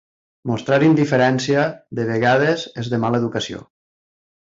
Mostrar indiferència, de vegades, és de mala educació.